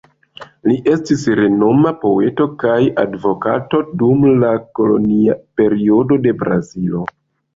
Li estis renoma poeto kaj advokato dum la kolonia periodo de Brazilo.